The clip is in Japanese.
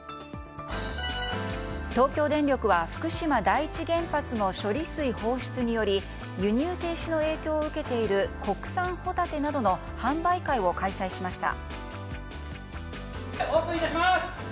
東京電力は福島第一原発の処理水放出により輸入停止の影響を受けている国産ホタテなどの販売会を開催しました。